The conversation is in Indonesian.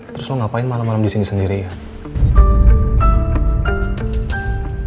terus lo ngapain malem malem disini sendirian